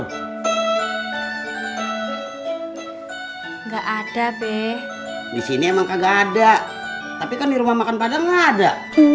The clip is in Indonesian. enggak ada be di sini emang enggak ada tapi kan di rumah makan padang ada